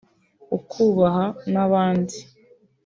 ukubaha n’abandi